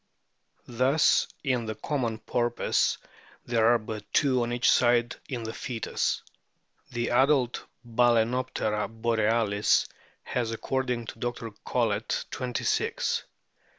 Thus in the common Porpoise there are but two on each side in the foetus. The adult Bal&noptera borealis has, according to Dr. Collett,* twenty six.